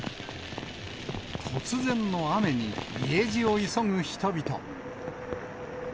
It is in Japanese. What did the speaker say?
突然の雨に、家路を急ぐ人々。